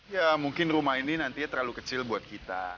ya mungkin rumah ini nantinya terlalu kecil buat kita